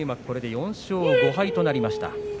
これで４勝５敗となりました。